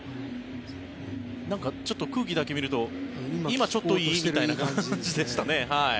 ちょっと空気だけ見ると今ちょっといい？みたいな感じでしたね。